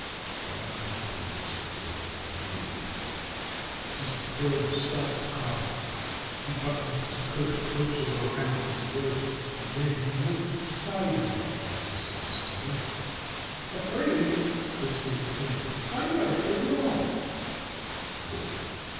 But of course if you're afraid " Mr. Crow stopped to cough. He buttoned his coat closer around his throat. And then he looked sideways at Frisky Squirrel. "Afraid!" Frisky exclaimed. "I'm not afraid at all." "Good!"